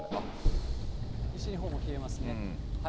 西日本も冷えますね。